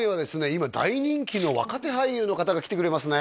今大人気の若手俳優の方が来てくれますね